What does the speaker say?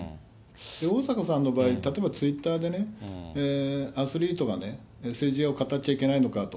大坂さんの場合、例えばツイッターでね、アスリートがね、政治を語っちゃいけないのかと。